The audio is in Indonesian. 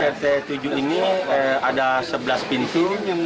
rt tujuh ini ada sebelas pintu